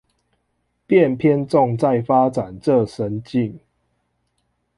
便偏重在發展這神性